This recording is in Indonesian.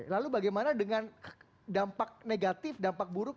lalu bagaimana dengan dampak negatif dampak buruk